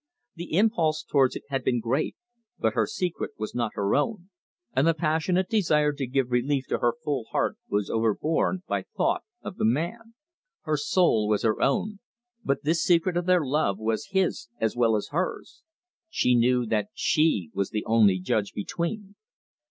The impulse towards it had been great, but her secret was not her own, and the passionate desire to give relief to her full heart was overborne by thought of the man. Her soul was her own, but this secret of their love was his as well as hers. She knew that she was the only just judge between.